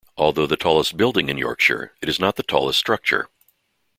Although the tallest building in Yorkshire, it is not the tallest structure.